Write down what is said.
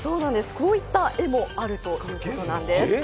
こういった絵もあるということなんです。